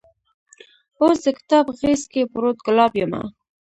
اوس دکتاب غیز کې پروت ګلاب یمه